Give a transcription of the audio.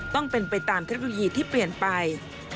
ต้องเป็นไปตามเทคโนโลยีที่เปลี่ยนไป